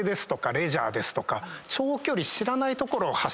長距離。